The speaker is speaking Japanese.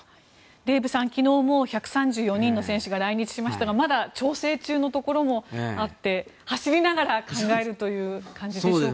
デーブさん、昨日１３４人の選手が来日しましたがまだ調整中のところもあって走りながら考えるという感じでしょうか。